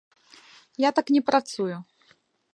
Я так не працую.